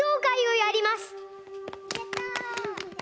やった。